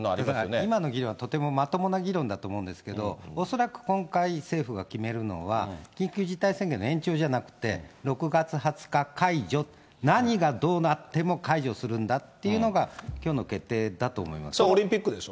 今の議論はとてもまともな議論だと思うんですけれども、恐らく今回、政府が決めるのは、緊急事態宣言の延長じゃなくて、６月２０日解除、何がどうなっても解除するんだっていうのが、それはオリンピックでしょ？